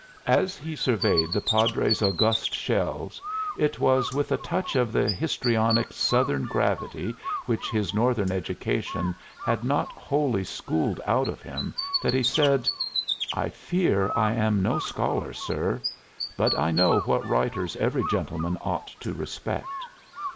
As he surveyed the Padre's august shelves, it was with a touch of the histrionic Southern gravity which his Northern education had not wholly schooled out of him that he said: "I fear I am no scholar, sir. But I know what writers every gentleman ought to respect."